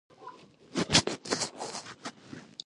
ژمی د افغانانو د معیشت سرچینه ده.